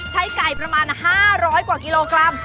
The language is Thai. ไก่ประมาณ๕๐๐กว่ากิโลกรัม